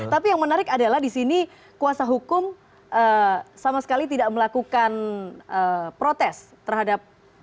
tapi yang menarik adalah di sini kuasa hukum sama sekali tidak melakukan protes terhadap